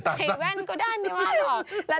เห็นแว่นก็ได้ไม่ว่าหรอก